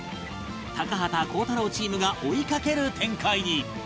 高畑鋼太郎チームが追いかける展開に